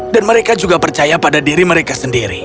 dan mereka juga percaya pada diri mereka sendiri